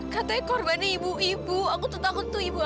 katanya korbannya ibu ibu aku tertanggut tuh ibu aku